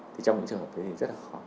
thì trong những trường hợp thì rất là khó